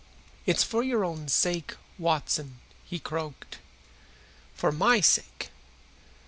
"It's for your own sake, Watson," he croaked. "For MY sake?"